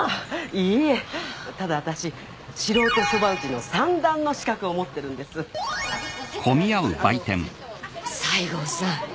いいえただ私素人そば打ちの三段の資格を持ってるんです西郷さん